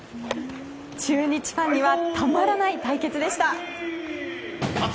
中日ファンにはたまらない対決でした。